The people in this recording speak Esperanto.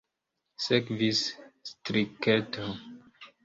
Sekvis striketo.